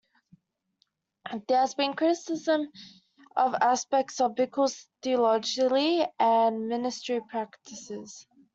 There has been criticism of aspects of Bickle's theology and ministry practices.